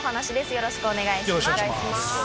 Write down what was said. よろしくお願いします。